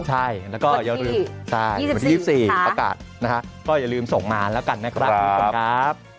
ใช่ใบที่๒๔ประกาศก็อย่าลืมส่งมาแล้วกันนะค่ะทุกคน